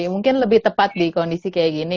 mungkin lebih tepat di kondisi kayak gini